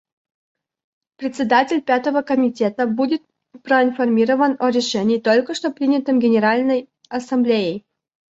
Председатель Пятого комитета будет проинформирован о решении, только что принятом Генеральной Ассамблеей.